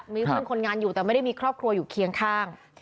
มีเพื่อนคนงานอยู่แต่ไม่ได้มีครอบครัวอยู่เคียงข้าง